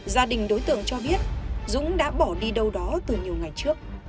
gia đình đối tượng cho biết dũng đã bỏ đi đâu đó từ nhiều ngày trước